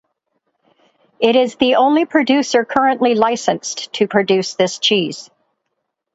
It is the only producer currently licensed to produce this cheese.